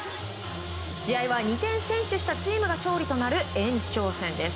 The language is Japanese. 試合は２点先取したチームが勝利となる延長戦です。